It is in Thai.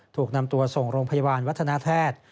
ถูกนำตัวส่งโรงพยาบาลวัฒนาแพทย์